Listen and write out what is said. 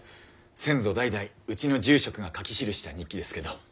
先祖代々うちの住職が書き記した日記ですけど。